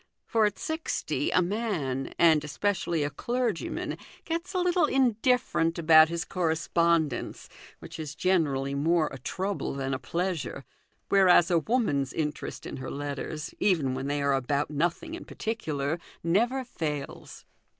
For at sixty a man, and especially a clergyman, gets a little indifferent about his correspondence, which is generally more a trouble than a pleasure; whereas a woman's interest in her letters, even when they are about nothing in particular, never fails.